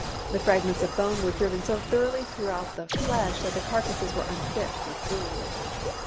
The fragments of bone were driven so thoroughly throughout the flesh that the carcasses were unfit for food.